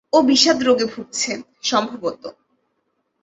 ও বিষাদ রোগে ভুগছে, সম্ভবত।